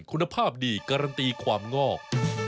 คุณภาพดีการันตีความงอก